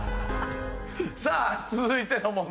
さあ続いての問題